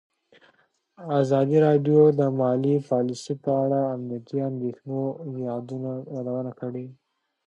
ازادي راډیو د مالي پالیسي په اړه د امنیتي اندېښنو یادونه کړې.